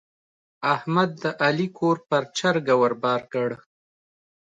احمد د علي کور پر چرګه ور بار کړ.